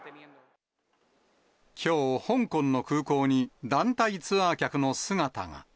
きょう、香港の空港に団体ツアー客の姿が。